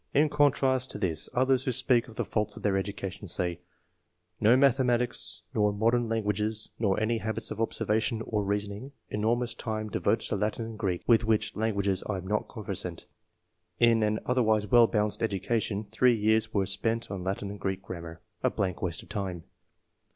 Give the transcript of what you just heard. In contrast to this, others who speak of the faults of their education, say :—" No mathe matics, nor modern languages, nor any habits of observation or reasoning." — "Enormous time devoted to Latin and Greek, with which lan guages I am not conversant." —" In an other wise well balanced education, three years were spent on Latin and Greek grammar — a blank waste of time."